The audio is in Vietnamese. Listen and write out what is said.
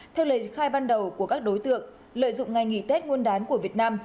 theo lời khai ban đầu của các đối tượng lợi dụng ngành nghỉ tết nguồn đán của việt nam